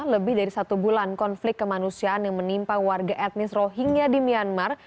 lebih dari satu bulan konflik kemanusiaan yang menimpa warga etnis rohingya di myanmar